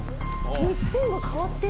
日本が変わってる。